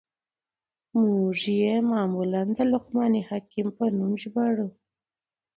موږ ئې معمولاً د لقمان حکيم په نوم ژباړو.